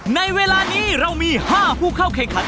ในเวลานี้เรามี๕ผู้เข้าแข่งขัน